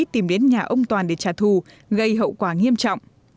tìm đến nhà ông toàn để trả thù gây hậu quả nghiêm trọng